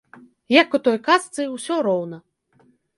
Як у той казцы ўсё роўна.